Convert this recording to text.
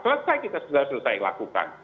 selesai kita sudah selesai lakukan